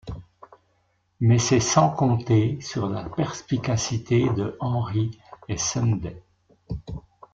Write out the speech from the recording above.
Mais c'est sans compter sur la perspicacité de Henry et Sunday.